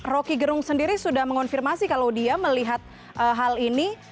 roky gerung sendiri sudah mengonfirmasi kalau dia melihat hal ini